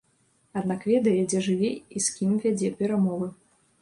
Аднак ведае, дзе жыве і з кім вядзе перамовы.